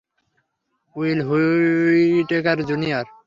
Will Whitaker, junior!